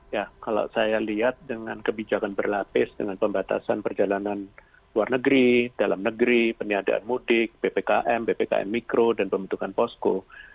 ya kalau saya lihat dengan kebijakan berlapis dengan pembatasan perjalanan luar negeri dalam negeri peniadaan mudik ppkm ppkm mikro dan pembentukan posko